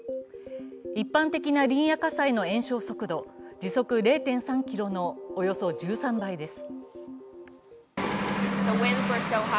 一般的なリンや火災の延焼速度、時速０．３キロのおよそ１３倍です。